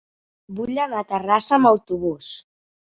Vull anar a Terrassa amb autobús.